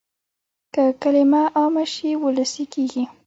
که کلمه عامه شي وولسي کېږي.